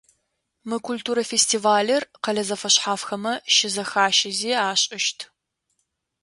Мы культурэ фестивалыр къэлэ зэфэшъхьафхэмэ щызэхащэзи ашӏыщт.